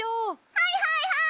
はいはいはい！